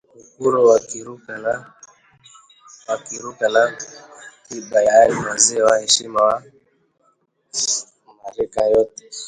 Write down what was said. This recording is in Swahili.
Mukuru wa Kiruka na Ntiba yaani, mzee wa heshima kwa marika yote